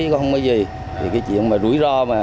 không có gì thì cái chuyện mà rủi ro mà